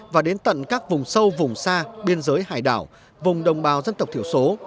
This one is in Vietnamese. và đến tận các vùng sâu vùng xa biên giới hải đảo vùng đồng bào dân tộc thiểu số